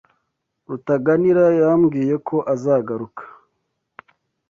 Rutaganira yambwiye ko azagaruka.